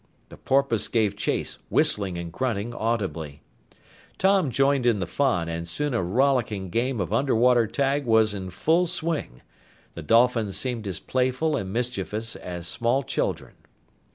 The porpoise gave chase, whistling and grunting audibly. Tom joined in the fun, and soon a rollicking game of underwater tag was in full swing. The dolphins seemed as playful and mischievous as small children.